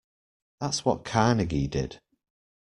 That's what Carnegie did.